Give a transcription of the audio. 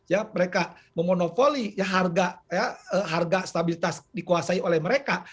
ya mereka memonopoli harga stabilitas dikuasai oleh mereka